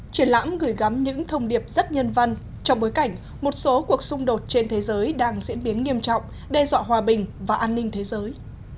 triển lãm gửi gắm những thông điệp rất nhân văn trong bối cảnh một số cuộc xung đột trên thế giới đang diễn biến nghiêm trọng đe dọa hòa bình và an ninh thế giới